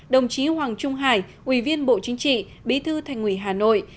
đồng chí hoàng trung hải ủy viên bộ chính trị bí thư thành ủy hà nội